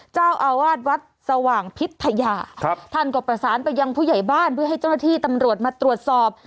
เจ้าอาวาสวัดสว่างพิทยาครับท่านก็ประสานไปยังผู้ใหญ่บ้านเพื่อให้เจ้าหน้าที่ตำรวจมาตรวจสอบ